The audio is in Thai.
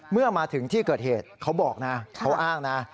เมื่อมาถึงที่เกิดเหตุเขาบอกนะเขาอ้างนะ